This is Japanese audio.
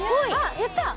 やった！